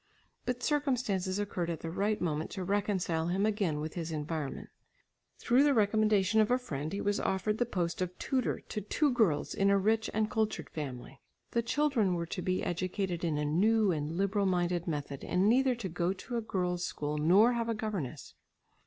But circumstances occurred at the right moment, to reconcile him again with his environment. Through the recommendation of a friend he was offered the post of tutor to two girls in a rich and cultured family. The children were to be educated in a new and liberal minded method and neither to go to a girls' school nor have a governess.